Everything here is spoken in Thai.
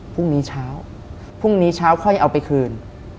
พรุ่งนี้เช้าพรุ่งนี้เช้าค่อยเอาไปคืน